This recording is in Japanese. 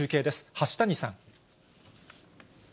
端谷さん。